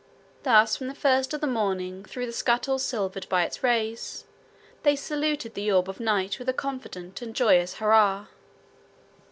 Thus from the first of the morning, through the scuttles silvered by its rays, they saluted the orb of night with a confident and joyous hurrah.